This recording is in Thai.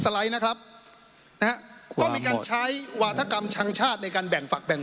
ไลด์นะครับนะฮะก็มีการใช้วาธกรรมชังชาติในการแบ่งฝักแบ่ง